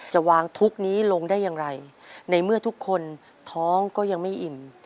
จะวางทุกข์นี้ลงได้อย่างไรในเมื่อทุกคนท้องก็ยังไม่อิ่ม